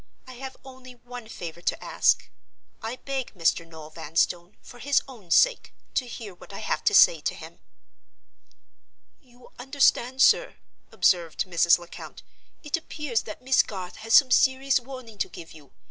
I have only one favor to ask. I beg Mr. Noel Vanstone, for his own sake, to hear what I have to say to him." "You understand, sir?" observed Mrs. Lecount. "It appears that Miss Garth has some serious warning to give you.